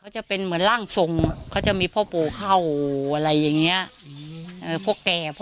จะเป็นเหมือนร่างทรงมีพ่อโปเข้าอะไรอย่างนี้พ่อแก่พ่อ